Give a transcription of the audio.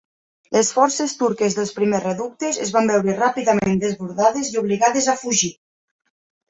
Les forces turques dels primers reductes es van veure ràpidament desbordades i obligades a fugir.